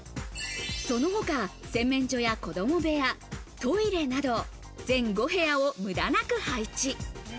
その他、洗面所や子供部屋、トイレなど、全５部屋を無駄なく配置。